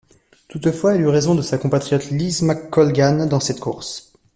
Toutefois elle eut raison de sa compatriote Liz McColgan dans cette course.